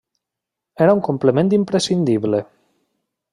Era un complement imprescindible.